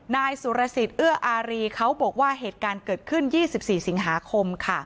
นายสุรสิทธิเอื้ออารีเขาบอกว่าเหตุการณ์เกิดขึ้น๒๔สิงหาคมค่ะ